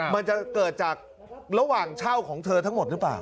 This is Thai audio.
มันจะเกิดจากระหว่างเช่าของเธอทั้งหมดหรือเปล่า